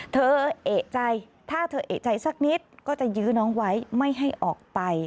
เอกใจถ้าเธอเอกใจสักนิดก็จะยื้อน้องไว้ไม่ให้ออกไป